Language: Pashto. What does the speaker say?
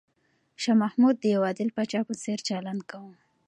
شاه محمود د یو عادل پاچا په څېر چلند کاوه.